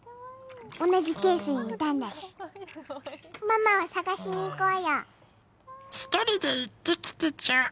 同じケースにいたんだしママを探しに行こうよ１人で行ってきてちょ